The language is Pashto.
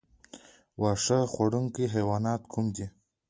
واښه خوړونکي حیوانات کوم دي؟